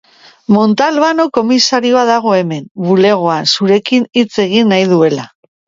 Montalbano komisarioa dago hemen, bulegoan, zurekin hitz egin nahi duela...